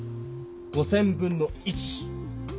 ５，０００分の１。